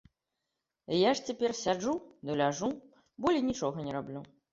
Я ж цяпер сяджу ды ляжу, болей нічога не раблю.